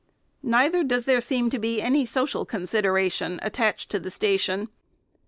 Neither does there seem to be any social consideration attached to the station.